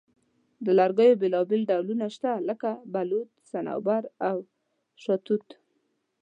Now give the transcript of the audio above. د لرګیو بیلابیل ډولونه شته، لکه بلوط، صنوبر، او شاهتوت.